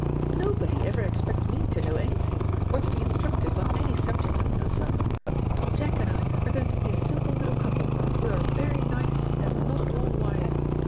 "Nobody ever expects me to know anything, or to be instructive on any subject under the sun. Jack and I are going to be a simple little couple, who are very nice and not at all wise.